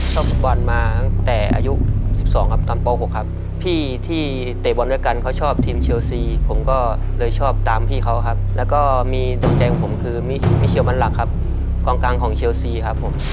ฟุตบอลมาตั้งแต่อายุ๑๒ครับตามป๖ครับพี่ที่เตะบอลด้วยกันเขาชอบทีมเชลซีผมก็เลยชอบตามพี่เขาครับแล้วก็มีดวงใจของผมคือมีเชลมันหลักครับกองกลางของเชลซีครับผม